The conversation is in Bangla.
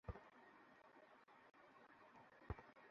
আমি দুর্বলতা অনুভব করছি, সকাল থেকেই।